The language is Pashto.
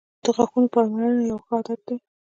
• د غاښونو پاملرنه یو ښه عادت دی.